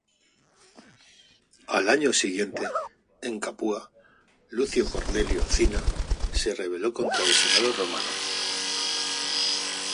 Al año siguiente, en Capua, Lucio Cornelio Cinna se rebeló contra el Senado Romano.